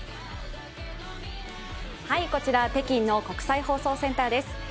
こちら、北京の国際放送センターです。